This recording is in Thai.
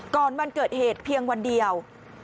วันเกิดเหตุเพียงวันเดียว